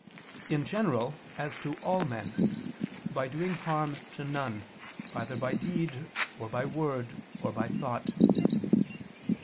In general, as to all men, by doing harm to none, either by deed, or by word, or by thought.